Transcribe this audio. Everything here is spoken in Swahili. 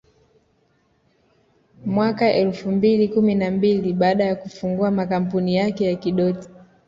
Mwaka elfu mbili kumi na mbili baada ya kufungua kampuni yake ya Kidoti